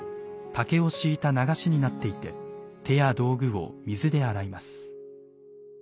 竹を敷いた流しになっていて手や道具を水で洗います。